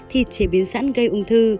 thịt chế biến sẵn gây ung thư